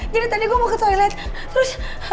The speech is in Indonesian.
jadi tadi gue mau ke toilet terus